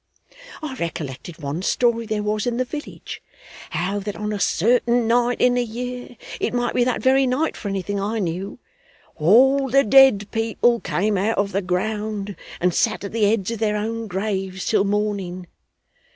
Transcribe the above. I recollected one story there was in the village, how that on a certain night in the year (it might be that very night for anything I knew), all the dead people came out of the ground and sat at the heads of their own graves till morning.